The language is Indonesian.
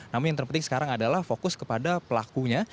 namun yang terpenting sekarang adalah fokus kepada pelakunya